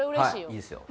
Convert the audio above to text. いいですよ。